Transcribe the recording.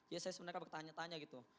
ya saya sebenarnya bertanya tanya gitu